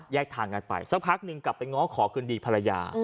ทางกันไปสักพักหนึ่งกลับไปง้อขอคืนดีภรรยา